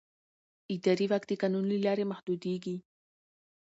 اداري واک د قانون له لارې محدودېږي.